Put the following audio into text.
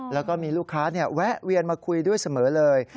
แล้วก็มีลูกค้าแวะเวียนมาคุยด้วยเสมอเลย